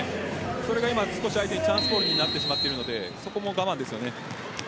それがチャンスボールになってしまっているのでそこも我慢です。